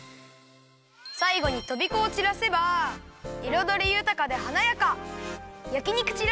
さいごにとびこをちらせばいろどりゆたかではなやか！